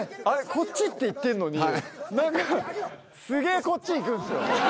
「こっち」って言ってんのに何かすげぇこっちに行くんすよ。